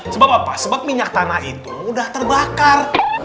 sebab apa sebab minyak tanah itu sudah terbakar